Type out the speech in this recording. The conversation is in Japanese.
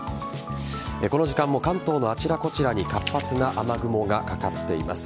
この時間も関東のあちらこちらに活発な雨雲がかかっています。